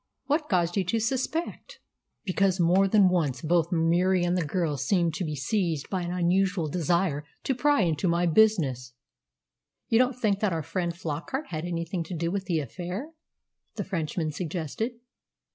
"What caused you to suspect?" "Because more than once both Murie and the girl seemed to be seized by an unusual desire to pry into my business." "You don't think that our friend Flockart had anything to do with the affair?" the Frenchman suggested.